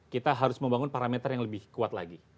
kita harus membangun parameter yang lebih kuat lagi